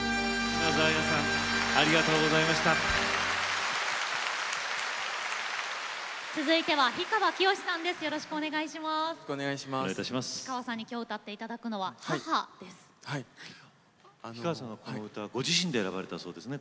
今夜、氷川さんに歌っていただくのは「母」です。